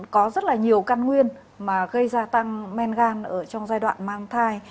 có rất là nhiều căn nguyên mà gây ra tăng men gan trong giai đoạn mang thai